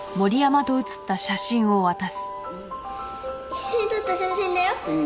一緒に撮った写真だよ。